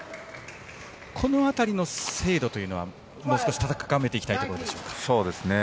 この辺りの精度というのは高めていきたいところでしょうか。